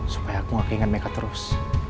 supaya aku gak keinget mecca terus